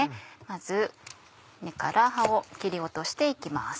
まず根から葉を切り落として行きます。